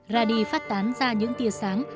radi phát tán ra những tia sáng